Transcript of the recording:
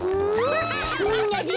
みんなで。